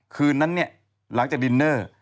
คืนนั้นเนี่ยหลังจากดินเนอร์